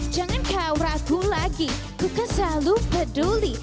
jangan kau ragu lagi ku kan selalu peduli